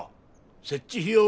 設置費用は？